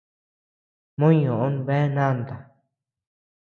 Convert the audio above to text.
Mò ñoʼö bea nanta.